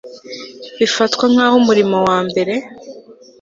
bifatwa nk aho umurimo wa mbere